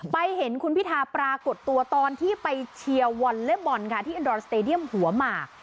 เห็นคุณพิธาปรากฏตัวตอนที่ไปเชียร์วอลเล็บบอลค่ะที่อินดอนสเตดียมหัวหมาก